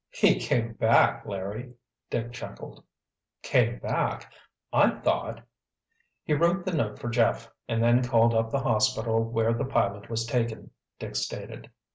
"He came back, Larry." Dick chuckled. "Came back? I thought——" "He wrote the note for Jeff, and then called up the hospital where the pilot was taken," Dick stated.